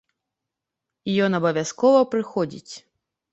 І ён абавязкова прыходзіць.